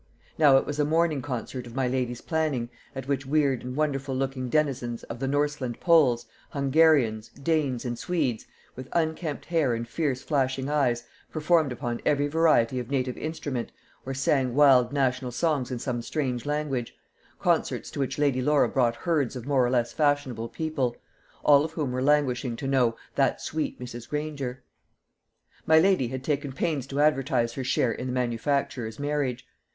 Now it was a morning concert of my lady's planning, at which weird and wonderful looking denizens of the Norseland Poles, Hungarians, Danes, and Swedes with unkempt hair and fierce flashing eyes, performed upon every variety of native instrument, or sang wild national songs in some strange language concerts to which Lady Laura brought herds of more or less fashionable people, all of whom were languishing to know "that sweet Mrs. Granger." My lady had taken pains to advertise her share in the manufacturer's marriage.